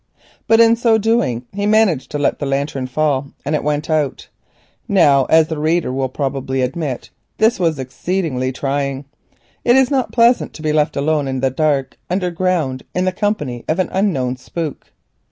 But in so doing he managed to let the lantern fall and it went out. Now as any one will admit this was exceedingly trying. It is not pleasant to be left alone in the dark and underground in the company of an unknown "spook."